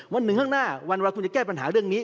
วันหนึ่งข้างหน้าวันเวลาคุณจะแก้ปัญหาเรื่องนี้